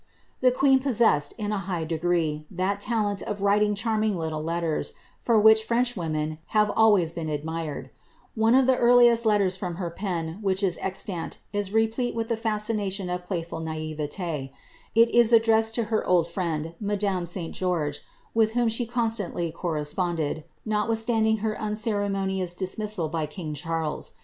The queen possessed, in a high degree, that talent of writing charm ( little letters, for which Frenchwomen have always been admired, le of the earliest letters from her pen, which is extant, is replete with f fascination of playful mmeti; it is addressed to her old friend, ma ne St George, with whom she constantly corresponded, notwithstand l her unceremonious dismissal by king Charles.